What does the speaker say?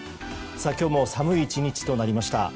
今日も寒い１日となりました。